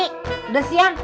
nyuci udah siang